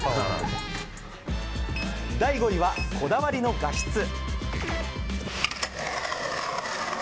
第５位は、こだわりの画質。